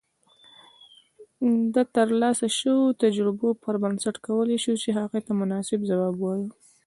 د ترلاسه شويو تجربو پر بنسټ کولای شو چې هغې ته مناسب جواب اوایو